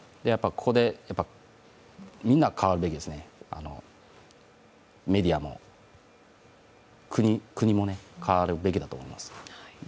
ここでみんな変わるべきですね、メディアも国も変わるべきだと思います。